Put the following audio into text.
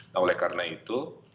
nah oleh karena itu